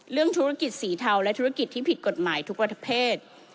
เรื่องธุรกิจสีเทาและธุรกิจที่ผิดกฎหมายทุกประเภท